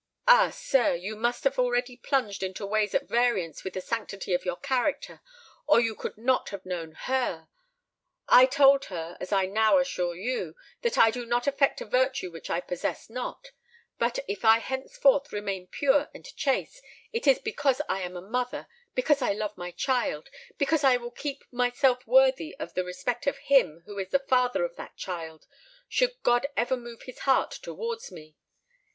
Ah! sir, you must have already plunged into ways at variance with the sanctity of your character—or you could not have known her! I told her—as I now assure you—that I do not affect a virtue which I possess not;—but if I henceforth remain pure and chaste, it is because I am a mother—because I love my child—because I will keep myself worthy of the respect of him who is the father of that child, should God ever move his heart towards me.